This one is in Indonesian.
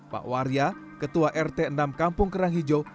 pak warya ketua rt enam kampung kerang hijau